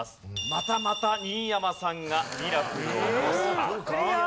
またまた新山さんがミラクルを起こすか？